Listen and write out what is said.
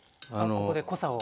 ここで濃さを。